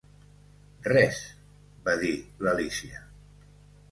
"Res", va dir l'Alícia.